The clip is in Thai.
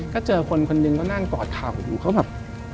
ก็เจอคนคนหนึ่งก็นั่งกอดเข่าอยู่เขาแบบ